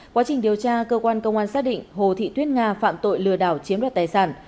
quá trình điều tra cơ quan công an xác định hồ thị tuyết nga phạm tội lừa đảo chiếm đoạt tài sản